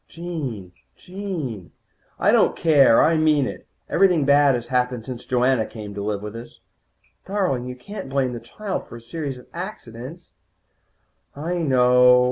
"Jean, Jean " "I don't care. I mean it. Everything bad has happened since Joanna came to live with us." "Darling, you can't blame the child for a series of accidents." "I know."